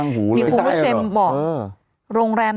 ฟังลูกครับ